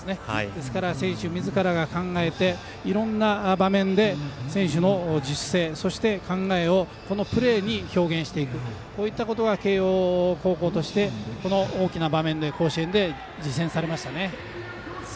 ですから選手みずからが考えていろんな場面で考えて選手の自主性、そして考えをこのプレーに表現していくこういったことが慶応高校として大きな場面として甲子園で実践されましたね。